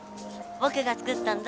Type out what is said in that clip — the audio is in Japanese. ぼくが作ったんだ。